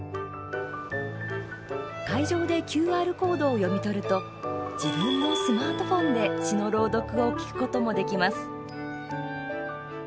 会場でＱＲコードを読み取ると自分のスマートフォンで詩の朗読を聴くこともできます。